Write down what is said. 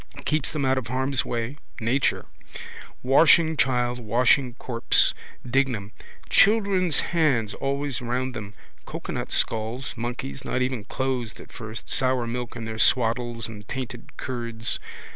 Keeps them out of harm's way. Nature. Washing child, washing corpse. Dignam. Children's hands always round them. Cocoanut skulls, monkeys, not even closed at first, sour milk in their swaddles and tainted curds.